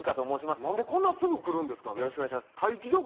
なんでこんなすぐ来るんですか。